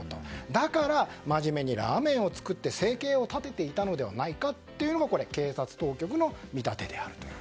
だから、真面目にラーメンを作って生計を立てていたのではないかというのが警察当局の見立てだと。